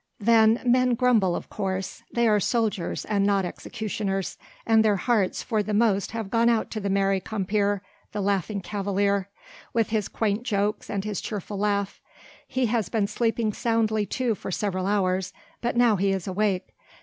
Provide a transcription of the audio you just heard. Then men grumble of course; they are soldiers and not executioners, and their hearts for the most have gone out to that merry compeer the Laughing Cavalier with his quaint jokes and his cheerful laugh. He has been sleeping soundly too for several hours, but now he is awake.